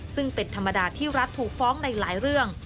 ซึ่งเป็นธรรมดาที่รัฐถูกฟ้องในหลายเรื่อง